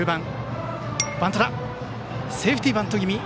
バント、セーフティーバント気味。